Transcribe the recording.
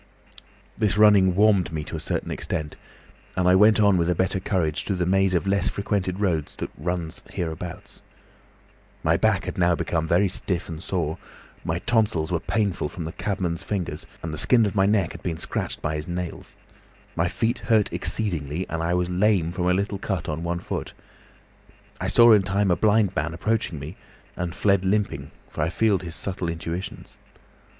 "This running warmed me to a certain extent, and I went on with a better courage through the maze of less frequented roads that runs hereabouts. My back had now become very stiff and sore, my tonsils were painful from the cabman's fingers, and the skin of my neck had been scratched by his nails; my feet hurt exceedingly and I was lame from a little cut on one foot. I saw in time a blind man approaching me, and fled limping, for I feared his subtle intuitions.